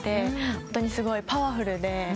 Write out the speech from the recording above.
ホントにすごいパワフルで。